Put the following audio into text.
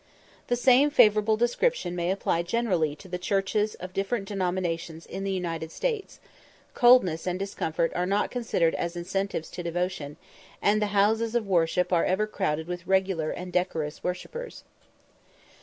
The same favourable description may apply generally to the churches of different denominations in the United States; coldness and discomfort are not considered as incentives to devotion; and the houses of worship are ever crowded with regular and decorous worshippers.